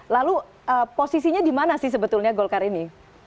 lalu posisinya di mana sih sebetulnya golkar ini